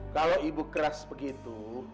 kalo ibu keras begitu